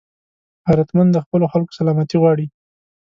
غیرتمند د خپلو خلکو سلامتي غواړي